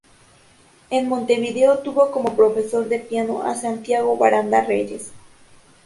En Montevideo tuvo como profesor de piano a Santiago Baranda Reyes.